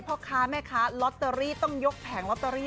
พ่อค้าแม่ค้าลอตเตอรี่ต้องยกแผงลอตเตอรี่